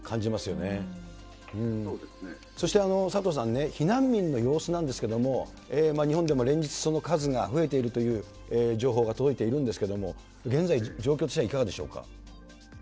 そして佐藤さんね、避難民の様子なんですけれども、日本でも連日、その数が増えているという情報が届いているんですけれども、現在、状況としてはいかがでしょうか。